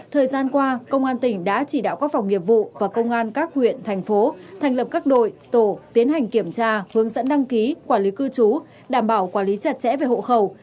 thời gian qua công an tỉnh đã chỉ đạo các phòng nghiệp vụ và công an các huyện thành phố thành lập các đội tổ tiến hành kiểm tra hướng dẫn đăng ký quản lý cư trú đảm bảo quản lý chặt chẽ về hộ khẩu